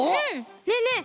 ねえねえ